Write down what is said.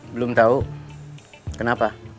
belum tau kenapa